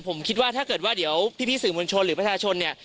ผมคิดว่าถ้าเกิดว่าเดี๋ยวพี่สื่อมวลชนหรือประชาชนเนี่ย